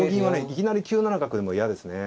いきなり９七角でも嫌ですね。